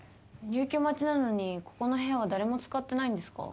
入居待ちなのにここの部屋は誰も使ってないんですか？